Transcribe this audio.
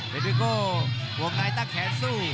เวทวิโก้ห่วงในตั้งแขนสู้